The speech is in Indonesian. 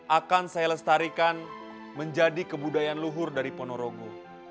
akan saya lestarikan menjadi kebudayaan luhur dari ponorogo